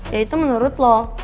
ya itu menurut lo